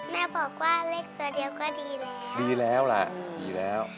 แม่บอกว่าเลขตัวเดียวก็ดีแล้ว